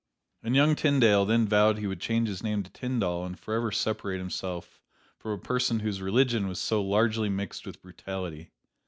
And young Tyndale then vowed he would change his name to Tyndall and forever separate himself from a person whose religion was so largely mixed with brutality.